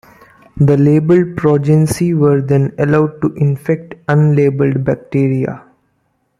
The labeled progeny were then allowed to infect unlabeled bacteria.